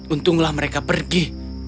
untunglah mereka pergi